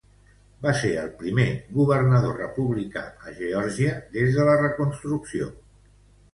Va ser el primer governador republicà a Geòrgia des de la Reconstrucció.